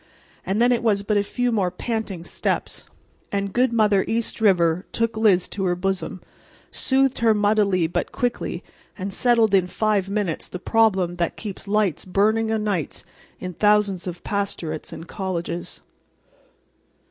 And then it was but a few more panting steps—and good mother East River took Liz to her bosom, soothed her muddily but quickly, and settled in five minutes the problem that keeps lights burning o' nights in thousands of pastorates and colleges.